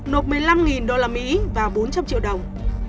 nộp một mươi năm usd và bốn trăm linh triệu đồng